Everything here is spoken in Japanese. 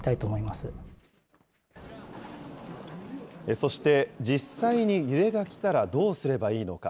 そして、実際に揺れが来たらどうすればいいのか。